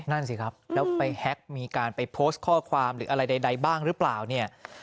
นั่นสิครับแล้วไปแฮ็กมีการไปโพสต์ข้อความหรืออะไรใดบ้างหรือเปล่าเนี่ย